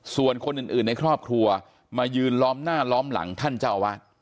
ส่วนคนอื่นในครอบครัวมายืนล้อมหน้าล้อมหลังท่านเจ้าอาวาส